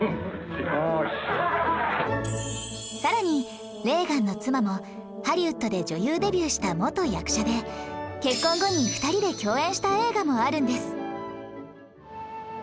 さらにレーガンの妻もハリウッドで女優デビューした元役者で結婚後に２人で共演した映画もあるんです